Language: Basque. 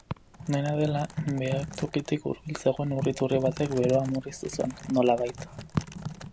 Dena dela, behatokitik hurbil zegoen ur-iturri batek beroa murriztu zuen, nolabait.